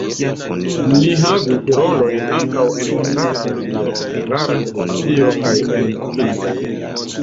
Li havis rolojn ankaŭ en Hungara Radio, Hungara Televizio kaj en filmoj.